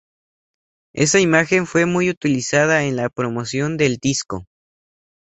Esa imagen fue muy utilizada en la promoción del disco.